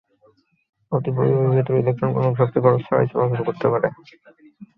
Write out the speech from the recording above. অতিপরিবাহীর ভেতর দিয়ে ইলেকট্রন কোনো শক্তি খরচ ছাড়াই চলাচল করতে পারে।